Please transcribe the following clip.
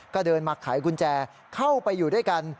ก็เดินมาไขกุญแจเข้าไปอยู่ด้วยกัน